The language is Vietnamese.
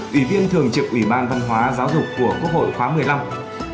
ủy viên thường trực ủy ban văn hóa giáo dục của quốc hội khóa một mươi năm